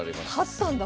勝ったんだ